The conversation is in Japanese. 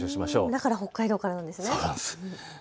だから北海道からなんですね。